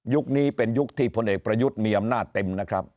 นี้เป็นยุคที่พลเอกประยุทธ์มีอำนาจเต็มนะครับ